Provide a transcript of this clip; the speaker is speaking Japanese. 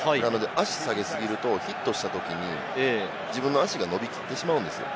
足下げ過ぎるとヒットしたときに自分の足が伸びきってしまうんです。